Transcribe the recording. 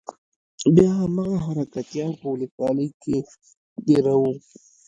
بيا هماغه حرکتيان په ولسوالۍ کښې دېره وو.